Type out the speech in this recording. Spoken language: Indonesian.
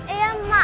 iya maaf pak